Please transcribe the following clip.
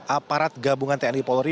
aparat gabungan tni polri